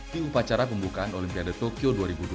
di upacara pembukaan olimpiade tokyo dua ribu dua puluh